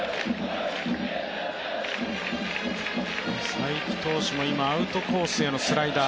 才木投手もアウトコースへのスライダー